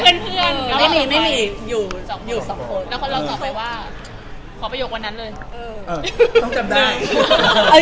เออต้องจำได้